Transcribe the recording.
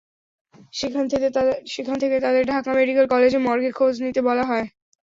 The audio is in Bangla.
সেখান থেকে তাঁদের ঢাকা মেডিকেল কলেজ মর্গে খোঁজ নিতে বলা হয়।